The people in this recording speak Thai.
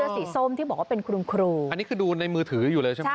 สีส้มที่บอกว่าเป็นคุณครูอันนี้คือดูในมือถืออยู่เลยใช่ไหม